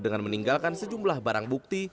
dengan meninggalkan sejumlah barang bukti